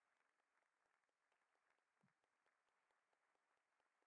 څلورمه اصلي موضوع مې پښتو شاعرۍ